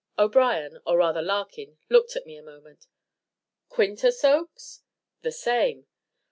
O'Brien, or rather Larkin, looked at me a moment. "Quintus Oakes?" "The same."